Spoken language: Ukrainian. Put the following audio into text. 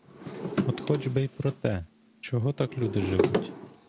От хоч би й про те — чого так люди живуть?